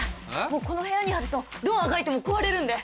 もうこの部屋にあるとどうあがいても壊れるんで。